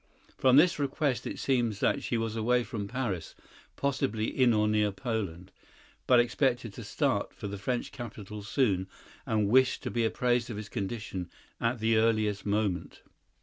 From this request it seems that she was away from Paris (possibly in or near Poland), but expected to start for the French capital soon and wished to be apprised of his condition at the earliest moment.